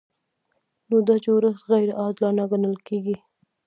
نو دا جوړښت غیر عادلانه ګڼل کیږي.